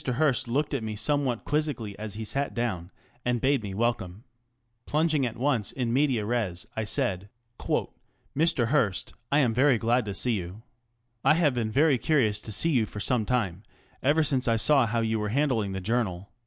Hearst looked at me somewhat quizzically as he sat down and bade me welcome. Plunging at once in medias res, I said : ŌĆö " Mr. Hearst, I am very glad to see you. I have been very curious to see you for some time, ever since I saw how you were handling the Journal.